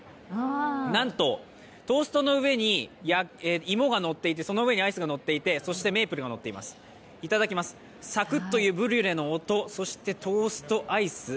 なんとトーストの上に芋がのっていてその上にアイスがのっていてそしてメープルが乗っています、いただきます、さくっというブリュレの音、そしてトースト、アイス。